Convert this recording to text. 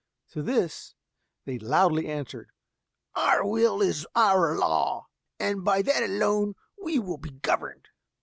To this they answered loudly, "Our will is our law, and by that alone we will be governed!"